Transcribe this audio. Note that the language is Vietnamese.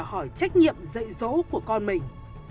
hỏi trách nhiệm dậy dỗ của con mình